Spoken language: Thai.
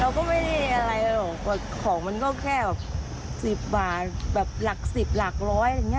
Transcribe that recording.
เราก็ไม่ได้อะไรหรอกว่าของมันก็แค่แบบสิบบาทแบบหลักสิบหลักร้อย